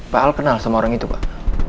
pak al kenal sama orang itu pak